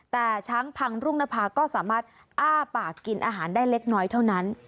แต่ช้างพังรุ่งนภาก็สามารถอ้าปากกินอาหารได้เล็กน้อยเท่านั้น